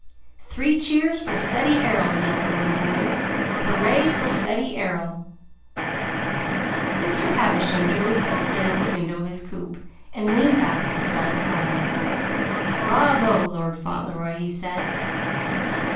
"Three cheers for Ceddie Errol!" yelled the little boys. "Hooray for Ceddie Errol!" Mr. Havisham drew his head in at the window of his coupe and leaned back with a dry smile. "Bravo, Lord Fauntleroy!" he said.